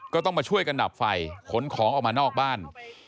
ก็ต้องมาช่วยกันดับไฟขนของออกมานอกบ้าน